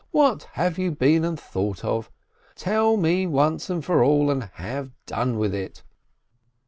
"What have you been and thought of? Tell me once for all, and have done with it!"